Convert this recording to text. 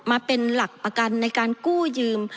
มาเป็นหลักประกันในการกู้ยืม